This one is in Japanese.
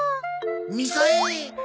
みさえ！